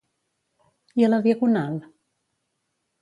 I a la Diagonal?